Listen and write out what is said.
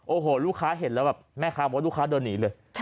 โอ้โหลูกค้าเห็นแล้วแบบแม่ค้าบอกว่าลูกค้าเดินหนีเลย